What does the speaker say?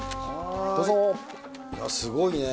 すごいね。